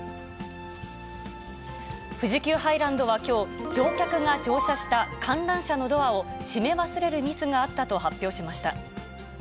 富士急ハイランドはきょう、乗客が乗車した観覧車のドアを閉め忘れるミスがあったと発表しま